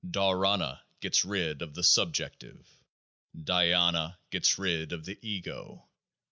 Dharana gets rid of the Subjective. Dhyana gets rid of the Ego.